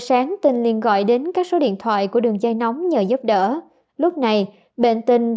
sáng tình liền gọi đến các số điện thoại của đường dây nóng nhờ giúp đỡ lúc này bệnh tình